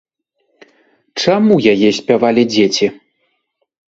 Чаму яе спявалі дзеці?